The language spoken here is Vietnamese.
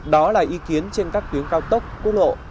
đó là ý kiến trên các tuyến cao tốc quốc lộ